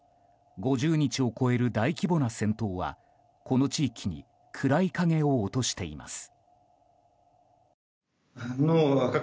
５０日を超える大規模な戦闘はこの地域に暗い影を落としています。